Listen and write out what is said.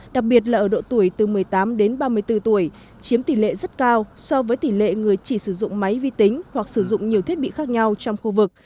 đặc biệt là ở độ tuổi từ một mươi tám đến ba mươi bốn tuổi chiếm tỷ lệ rất cao so với tỷ lệ người chỉ sử dụng máy vi tính hoặc sử dụng nhiều thiết bị khác nhau trong khu vực